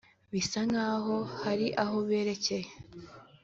bisa nkaho hari aho berekeye